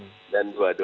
bukan hanya dikira kira